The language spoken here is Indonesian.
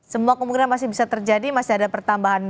semua kemungkinan masih bisa terjadi masih ada pertambahan